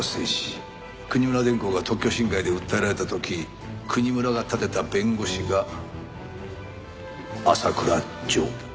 国村電工が特許侵害で訴えられた時国村が立てた弁護士が浅倉譲だ。